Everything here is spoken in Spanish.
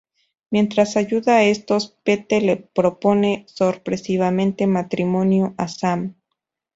Mientras ayudan a estos, Pete le propone sorpresivamente matrimonio a Sam.